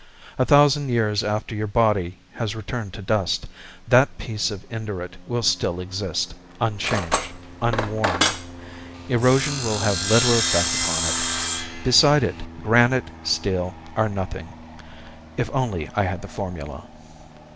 A thousand years after your body has returned to dust, that piece of Indurate will still exist, unchanged, unworn. Erosion will have little effect upon it. Beside it granite, steel are nothing. If only I had the formula